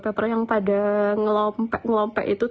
nah semua mereka yang selalu menuntut